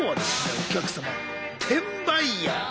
お客様転売ヤー。